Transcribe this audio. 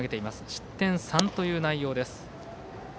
失点３という内容です。